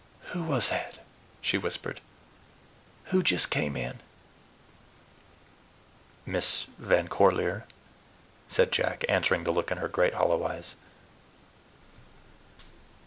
"Who was that," she whispered, "who just came in?" "Miss Van Corlear," said Jack, answering the look in her great hollow eyes.